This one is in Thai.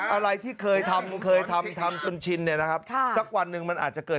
อะไรที่เคยทำเคยทำทำจนชินเนี่ยนะครับสักวันหนึ่งมันอาจจะเกิด